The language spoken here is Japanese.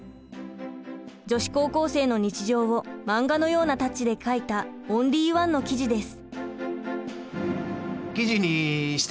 女子高校生の日常を漫画のようなタッチで描いたオンリーワンの生地です。